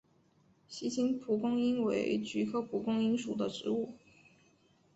锡金蒲公英为菊科蒲公英属的植物。